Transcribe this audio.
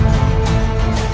masa ber ichoran